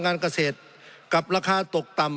สงบจนจะตายหมดแล้วครับ